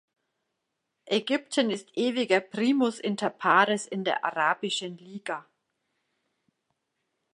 Ägypten ist ewiger primus inter pares in der Arabischen Liga.